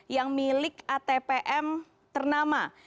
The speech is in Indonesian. yang milik atpm ternama